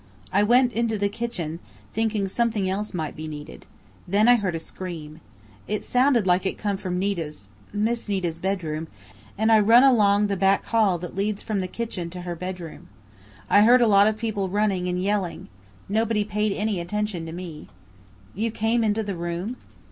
"I went into the kitchen, thinking something else might be needed. Then I heard a scream. It sounded like it come from Nita's Miss Nita's bedroom, and I run along the back hall that leads from the kitchen to her bedroom. I heard a lot of people running and yelling. Nobody paid any attention to me." "You came into the room?"